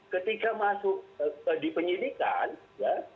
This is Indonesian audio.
ketika masuk di penyidikan ya